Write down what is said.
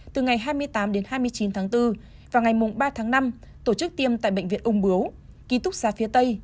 từ ngày hai mươi tám đến hai mươi chín tháng bốn và ngày ba tháng năm tổ chức tiêm tại bệnh viện ung bướu ký túc xa phía tây